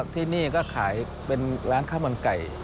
ที่นี่ก็ขายเป็นร้านข้าวมันไก่